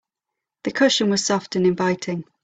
The cushion was soft and inviting.